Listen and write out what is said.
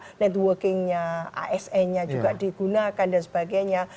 dikunakan networkingnya asn juga digunakan dan sebagainya